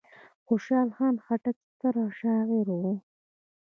خوشحال خان خټک ستر شاعر و.